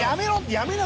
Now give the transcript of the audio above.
やめろ！